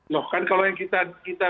loh kan kalau yang kita